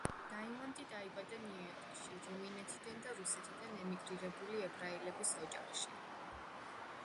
დაიმონდი დაიბადა ნიუ-იორკში, რუმინეთიდან და რუსეთიდან ემიგრირებული ებრაელების ოჯახში.